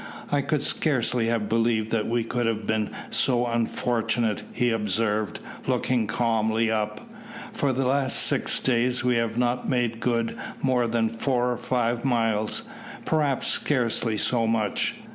"I could scarcely have believed that we could have been so unfortunate," he observed, looking calmly up. "For the last six days we have not made good more than four or five miles perhaps scarcely so much.